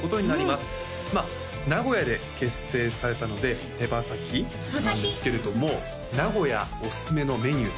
まあ名古屋で結成されたので手羽先なんですけれども名古屋おすすめのメニュー